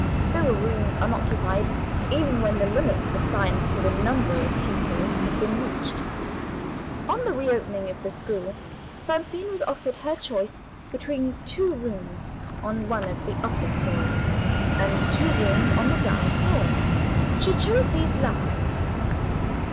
There were rooms unoccupied, even when the limit assigned to the number of pupils had been reached. On the re opening of the school, Francine was offered her choice between two rooms on one of the upper stories, and two rooms on the ground floor. She chose these last.